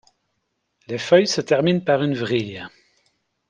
Les feuilles se terminent par une vrille.